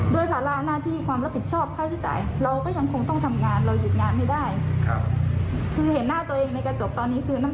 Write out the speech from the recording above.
เราเสียสุขภาพผิดขึ้นทุกวัน